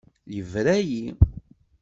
Yebra-yi.